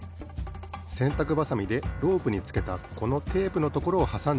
せんたくばさみでロープにつけたこのテープのところをはさんでるんです。